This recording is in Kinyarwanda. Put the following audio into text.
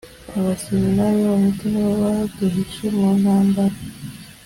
abaseminari b’abahutu nibo baduhishe mu ntambara